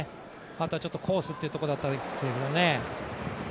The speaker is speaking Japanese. あとはちょっとコースというところだったでしょうけどね。